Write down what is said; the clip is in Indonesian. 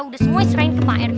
udah semua serahin ke pak rt